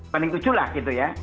banding tujuh lah gitu ya